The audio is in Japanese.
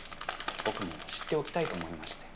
僕も知っておきたいと思いまして。